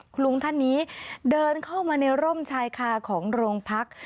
คุณลุงท่านนี้เดินเข้ามาในร่มชายคาของโรงพัก